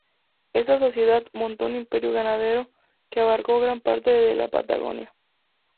Esta Sociedad montó un imperio ganadero que abarcó gran parte de la Patagonia.